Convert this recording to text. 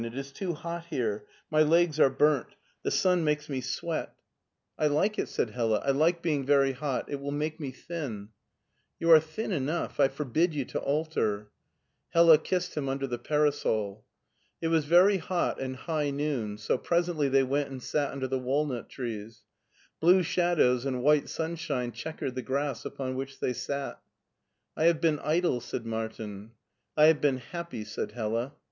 *' It is too hot here ; my legs are burnt The sun makes me sweat" it LEIPSIC 151 I like it/' said Hella; " I like being very hot It will make me thin/' " You are thin enough. I forbid you to alter/' Hdla kissed him under the parasol. It was very hot, and high noon, so presently they went and sat under the walnut trees. Blue shadows and white sunshine checkered the grass upon which they sat *' I have been idle/' said Martin. I have been happy,'' said Hella.